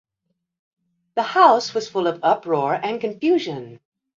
The house was full of uproar and confusion.